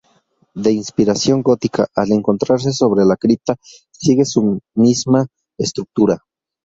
De inspiración gótica, al encontrarse sobre la cripta sigue su misma estructura.